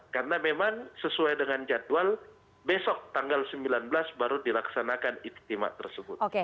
karena memang sesuai dengan jadwal besok tanggal sembilan belas baru dilaksanakan istimewa tersebut